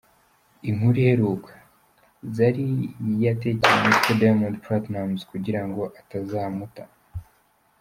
Inkuru iheruka: Zari yatekeye umutwe Diamond Platinumz kugirango atazamuta.